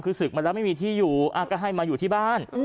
คือศึกมาแล้วไม่มีที่อยู่ก็ให้มาอยู่ที่บ้าน